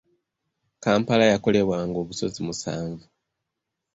Kampala yakolebwanga obusozi musanvu.